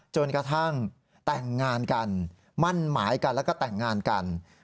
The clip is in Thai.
จนกระทั่งแต่งงานกันมั่นหมายกันแล้วก็แต่งงานกัน